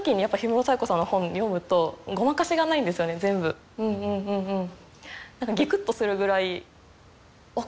そううんうんうんうん。